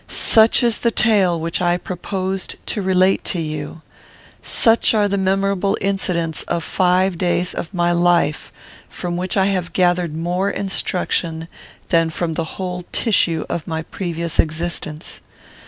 Such is the tale which I proposed to relate to you. Such are the memorable incidents of five days of my life; from which I have gathered more instruction than from the whole tissue of my previous existence.